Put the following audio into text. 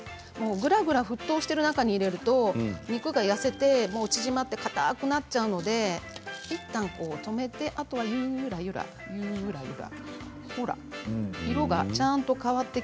ぐらぐら沸騰している中に入れると肉が痩せて縮まってかたくなってしまうのでいったん止めて、ゆらゆらさせて。